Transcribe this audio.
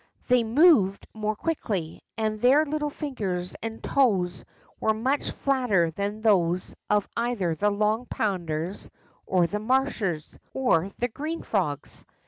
They moved more quickly, and their little fingers and toes were much flatter than those of either the Long Ponders, the Marshers, or the green frogs.